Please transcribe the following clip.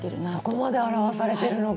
そこまで表されてるのか！